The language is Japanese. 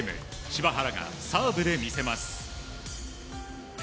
柴原がサーブで見せます。